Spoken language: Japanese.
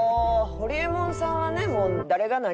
ホリエモンさんはね。